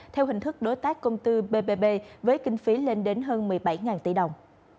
theo hình thức đối tác công tư bbb với kinh phí lên đến hơn một mươi bảy tỷ đồng